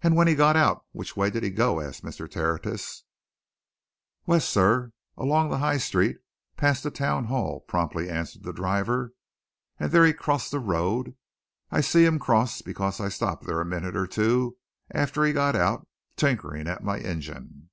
"And when he got out, which way did he go?" asked Mr. Tertius. "West, sir along the High Street, past the Town Hall," promptly answered the driver. "And there he crossed the road. I see him cross, because I stopped there a minute or two after he'd got out, tinkering at my engine."